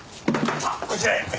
さあこちらへ。